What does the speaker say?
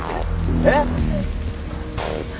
えっ！？